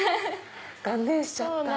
断念しちゃった。